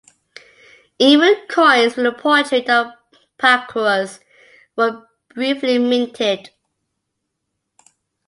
Even coins with the portrait of Pacorus were briefly minted.